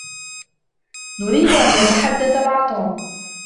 نريد أن نتحدث مع توم.